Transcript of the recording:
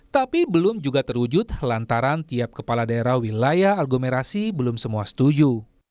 tapi belum juga terwujud lantaran tiap kepala daerah wilayah aglomerasi belum semua setuju